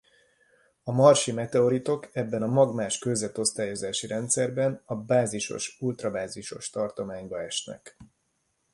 A marsi meteoritok ebben a magmás kőzet-osztályozási rendszerben a bázisos-ultrabázisos tartományba esnek.